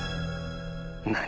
何？